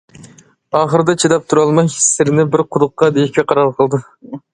ئاخىرىدا، چىداپ تۇرالماي سىرنى بىر قۇدۇققا دېيىشكە قارار قىلىدۇ.